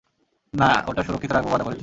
না, ওটা সুরক্ষিত রাখব ওয়াদা করেছি।